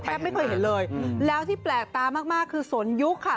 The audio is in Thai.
ไม่เคยเห็นเลยแล้วที่แปลกตามากคือสนยุคค่ะ